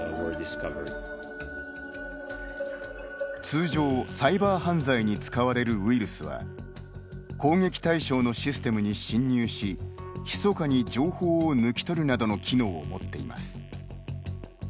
通常、サイバー犯罪に使われるウイルスは攻撃対象のシステムに侵入しひそかに情報を抜き取るなどの機能を持っています。